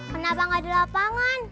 kenapa gak di lapangan